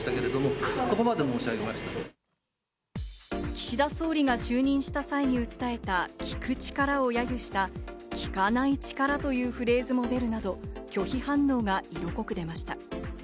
岸田総理が就任した際に訴えた「聞く力」を揶揄した「聞かない力」というフレーズも出るなど、拒否反応が聞かれました。